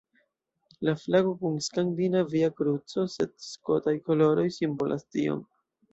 La flago kun Skandinavia kruco sed Skotaj koloroj simbolas tion.